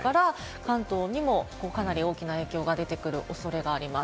関東にもかなり影響が出てくる恐れがあります。